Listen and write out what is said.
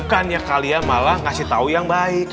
kalau kalian nyalahin satu sama lain